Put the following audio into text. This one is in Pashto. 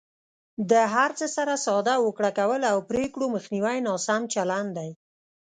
د هر څه سره ساده هوکړه کول او پرېکړو مخنیوی ناسم چلند دی.